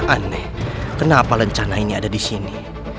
aneh kenapa rencana ini ada disini